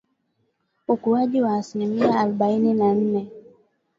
Ukuaji wa asilimia arubaini na nne